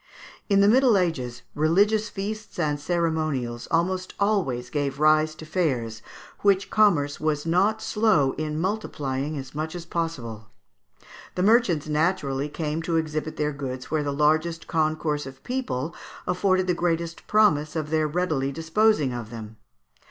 In the Middle Ages religious feasts and ceremonials almost always gave rise to fairs, which commerce was not slow in multiplying as much as possible. The merchants naturally came to exhibit their goods where the largest concourse of people afforded the greatest promise of their readily disposing of them.